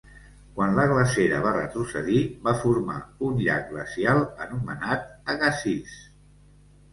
Quan la glacera va retrocedir, va formar un llac glacial anomenat Agassiz.